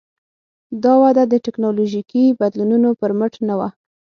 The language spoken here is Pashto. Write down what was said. دا وده د ټکنالوژیکي بدلونونو پر مټ نه وه.